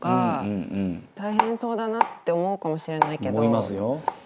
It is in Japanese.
「思いますよ」